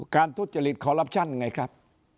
ทุจริตคอลลับชั่นไงครับ